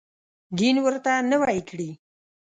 دین ورته نوی کړي.